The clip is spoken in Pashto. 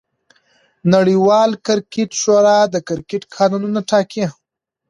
نړۍواله کرکټ شورا د کرکټ قانونونه ټاکي.